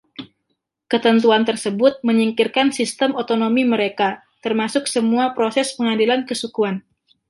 Ketentuan tersebut menyingkirkan sistem otonomi mereka, termasuk semua proses pengadilan kesukuan.